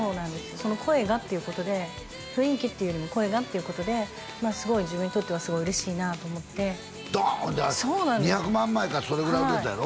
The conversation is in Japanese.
その声がっていうことで雰囲気っていうよりも声がっていうことで自分にとってはすごい嬉しいなと思ってドン！って２００万枚かそれぐらい出たやろ？